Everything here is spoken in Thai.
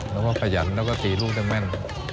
แล้วก็ขยันแล้วก็ตีลูกได้แม่น